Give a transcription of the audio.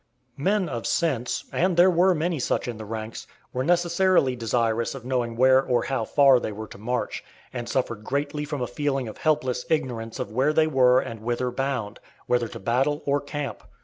Men of sense, and there were many such in the ranks, were necessarily desirous of knowing where or how far they were to march, and suffered greatly from a feeling of helpless ignorance of where they were and whither bound whether to battle or camp.